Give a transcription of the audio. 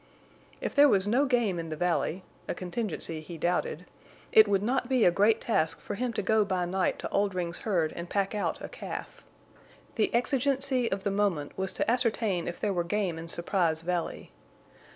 If there was no game in the valley—a contingency he doubted—it would not be a great task for him to go by night to Oldring's herd and pack out a calf. The exigency of the moment was to ascertain if there were game in Surprise Valley.